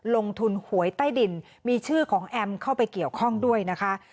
หวยใต้ดินมีชื่อของแอมเข้าไปเกี่ยวข้องด้วยนะคะ